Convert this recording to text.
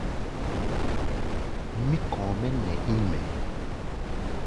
Mí kɔ̧ɔ̧ mɛ́ nɛ ín mɛɛ.